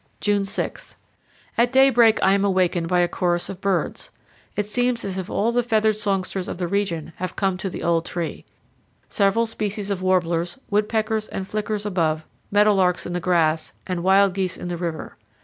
June 6. At daybreak I am awakened by a chorus of birds. It seems as if all the feathered songsters of the region have come to the old tree. Several species of warblers, woodpeckers, and flickers above, meadow larks in the grass, and wild geese in the river.